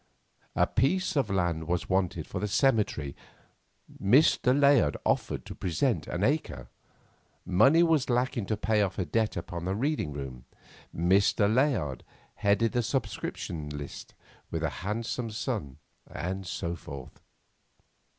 A piece of land was wanted for the cemetery. Mr. Layard offered to present an acre. Money was lacking to pay off a debt upon the reading room. Mr. Layard headed the subscription list with a handsome sum. And so forth.